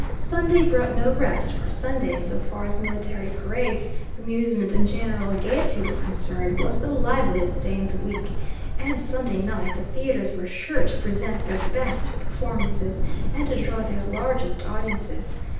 Sunday brought no rest, for Sunday, so far as military parades, amusement and general gaiety were concerned, was the liveliest day in the week; and Sunday night the theatres were sure to present their best performances and to draw their largest audiences.